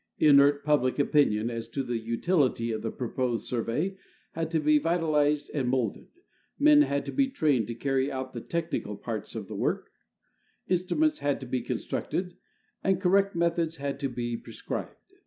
Inert public opinion as to the utility of the proposed Sur vey had to be vitalized and molded, men had to be trained to carr}^ out the technical parts of the work, instruments had to be constructed, and correct methods had to be prescribed.